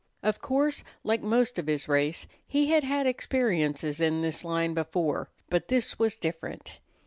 Of course, like most of his race, he had had experiences in this line before; but this was different.